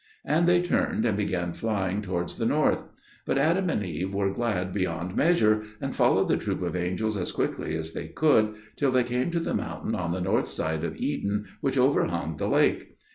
And they turned and began flying towards the north; but Adam and Eve were glad beyond measure, and followed the troop of angels as quickly as they could, till they came to the mountain on the north side of Eden which overhung the lake.